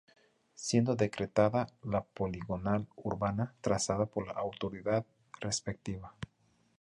Siendo decretada la Poligonal Urbana trazada por la autoridad respectiva.